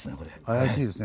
怪しいです。